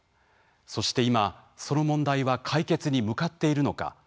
そして今、その問題は解決に向かっているのか。